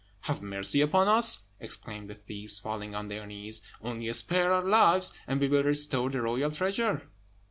"Have mercy upon us!" exclaimed the thieves, falling on their knees; "only spare our lives, and we will restore the royal treasure."